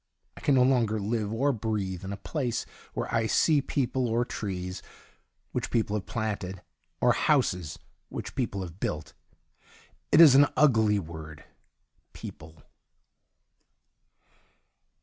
I can no longer live or breathe in a place where I see people, or trees which people have planted, or houses which people have built. It is an ugly word — people.